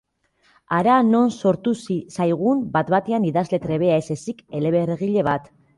Hara non sortu zaigun bat-batean idazle trebea ez ezik eleberrigile bat.